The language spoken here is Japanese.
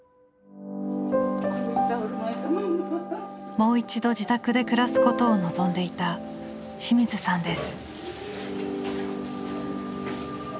もう一度自宅で暮らすことを望んでいた清水さんです。